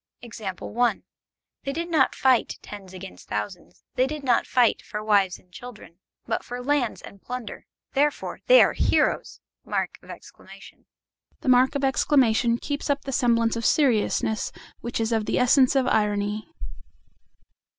They did not fight, tens against thousands; they did not fight for wives and children, but for lands and plunder: therefore they are heroes! The mark of exclamation keeps up the semblance of seriousness which is of the essence of irony.